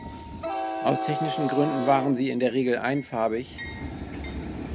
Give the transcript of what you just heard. Aus technischen Gründen waren sie in der Regel einfarbig.